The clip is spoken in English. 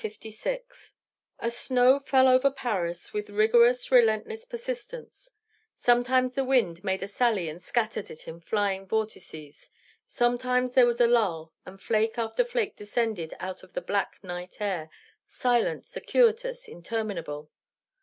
The snow fell over Paris with rigorous, relentless persistence; sometimes the wind made a sally and scattered it in flying vortices; sometimes there was a lull, and flake after flake descended out of the black night air, silent, circuitous, interminable.